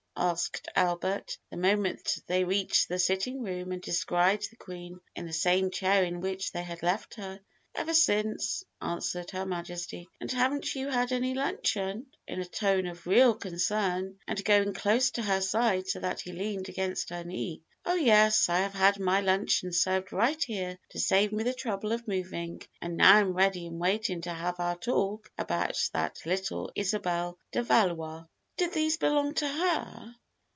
asked Albert, the moment they reached the sitting room and descried the Queen in the same chair in which they had left her. "Ever since," answered Her Majesty. "And haven't you had any luncheon?" in a tone of real concern, and going close to her side, so that he leaned against her knee. "Oh, yes, I have had my luncheon served right here, to save me the trouble of moving; and now I am ready and waiting to have our talk about little Isabel de Valois." "Did these belong to her?"